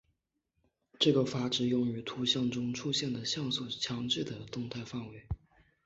这个阈值用于图像中出现的像素强度的动态范围。